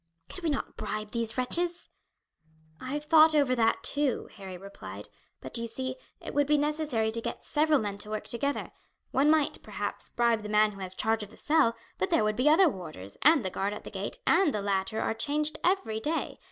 "Could we not bribe these wretches?" "I have thought over that too," Harry replied; "but, you see, it would be necessary to get several men to work together. One might, perhaps, bribe the man who has charge of the cell, but there would be other warders, and the guard at the gate, and the latter are changed every day.